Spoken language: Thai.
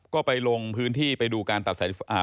ก็ไปลงพื้นที่ไปดูการตัดสายอ่า